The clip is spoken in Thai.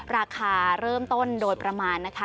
ราคาเริ่มต้นโดยประมาณนะคะ